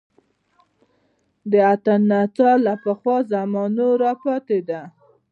د اتڼ نڅا له پخوا زمانو راپاتې ده